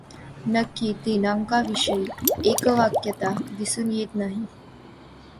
नक्की दिनांकाविषयी एकवाक्यता दिसून येत नाही.